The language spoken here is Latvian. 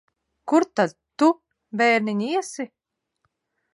Kur tad tu, bērniņ, iesi?